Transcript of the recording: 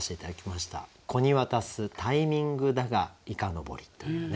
「子に渡すタイミングだが凧」というね。